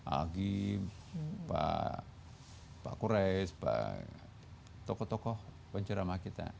algi pak kureis pak tokoh tokoh pencerama kita